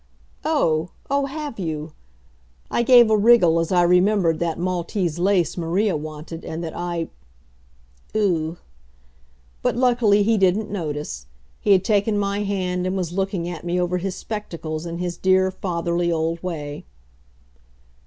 "Oh oh, have you!" I gave a wriggle as I remembered that Maltese lace Maria wanted and that I ugh! But, luckily, he didn't notice. He had taken my hand and was looking at me over his spectacles in his dear, fatherly old way.